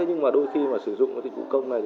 nhưng mà đôi khi sử dụng dịch vụ công này